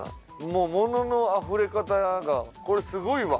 もうもののあふれ方がこれすごいわ。